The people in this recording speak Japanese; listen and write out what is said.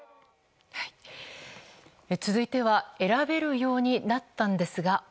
続いては選べるようになったんですが。